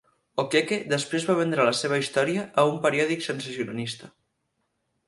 O'Keke després va vendre la seva història a un periòdic sensacionalista.